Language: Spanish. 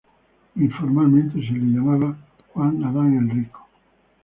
Informalmente se lo llamaba "Juan Adán el Rico".